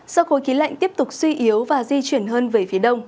do khối khí lạnh tiếp tục suy yếu và di chuyển hơn về phía đông